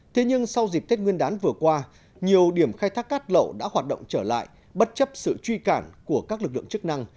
thế nhưng sau dịp tết nguyên đán vừa qua nhiều điểm khai thác cát lậu đã hoạt động trở lại bất chấp sự truy cản của các lực lượng chức năng